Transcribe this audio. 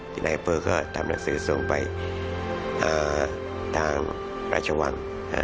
ที่นายเปอร์ก็ทำหนังสือส่งไปทางราชวัง